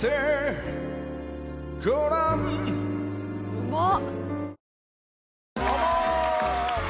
うまっ。